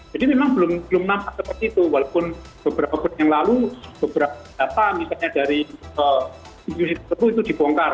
jadi memang belum nampak seperti itu walaupun beberapa tahun yang lalu beberapa data misalnya dari institusi tersebut itu dibongkar